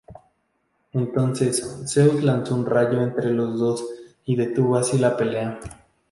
Entonces, Zeus lanzó un rayo entre los dos y detuvo así la pelea.